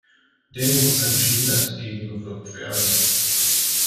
Dem muss entschieden entgegengewirkt werden.